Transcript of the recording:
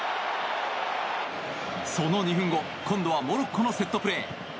その２分後今度はモロッコのセットプレー。